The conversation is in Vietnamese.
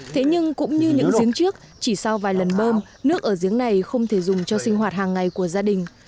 thế nhưng cũng như những giếng trước chỉ sau vài lần bơm nước ở giếng này không thể dùng cho sinh hoạt hàng ngày của gia đình